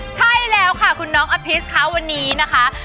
ใช่แล้วค่ะคุณน้องอภิษค่ะวันนี้นะคะ